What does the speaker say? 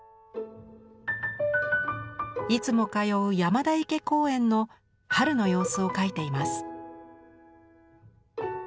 いつも通う山田池公園の春の様子を描いています。